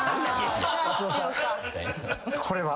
これは。